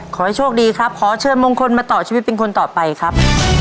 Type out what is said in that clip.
ขอให้โชคดีครับขอเชิญมงคลมาต่อชีวิตเป็นคนต่อไปครับ